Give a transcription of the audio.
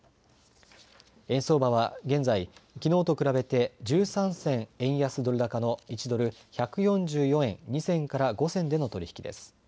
円相場は現在、きのうと比べて１３銭円安ドル高の１ドル１４４円２銭から５銭での取り引きです。